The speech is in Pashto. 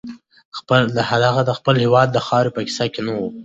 هغه د خپل هېواد د خاورې په کیسه کې نه و.